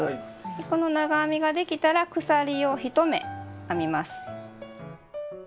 この長編みができたら鎖を１目編みます。